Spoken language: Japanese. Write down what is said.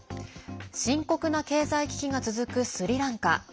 深刻な経済危機が続くスリランカ。